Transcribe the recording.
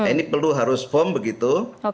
ini perlu harus firm begitu